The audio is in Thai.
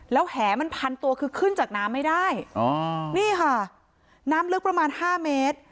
แล้วแหมันพันตัวคือขึ้นจากน้ำไม่ได้นี่ค่ะน้ำลึกประมาณ๕เมตร